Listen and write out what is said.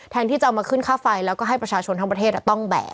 ที่จะเอามาขึ้นค่าไฟแล้วก็ให้ประชาชนทั้งประเทศต้องแบก